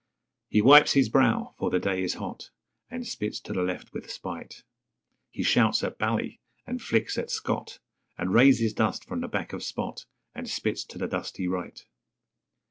He wipes his brow, for the day is hot, And spits to the left with spite; He shouts at 'Bally', and flicks at 'Scot', And raises dust from the back of 'Spot', And spits to the dusty right.